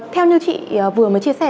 theo như chị vừa mới chia sẻ